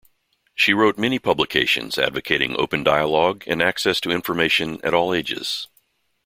She wrote many publications advocating open dialogue and access to information at all ages.